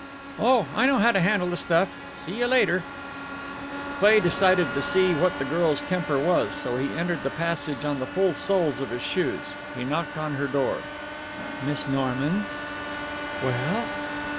"Oh, I know how to handle the stuff! See you later." Cleigh decided to see what the girl's temper was, so he entered the passage on the full soles of his shoes. He knocked on her door. "Miss Norman?" "Well?"